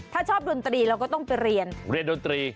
ถ้าชอบดนตรีเราก็ต้องไปเรียนเรียนดนตรี